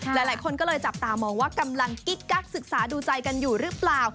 หลายคนก็เลยจับตามองว่ากำลังกิ๊กกักศึกษาดูใจกันอยู่หรือเปล่า